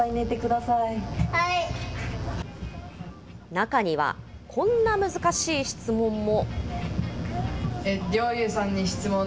中には、こんな難しい質問も。